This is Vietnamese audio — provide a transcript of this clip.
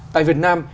tại việt nam